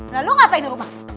nah lu ngapain rumah